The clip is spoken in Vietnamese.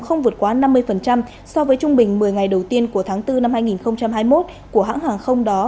không vượt quá năm mươi so với trung bình một mươi ngày đầu tiên của tháng bốn năm hai nghìn hai mươi một của hãng hàng không đó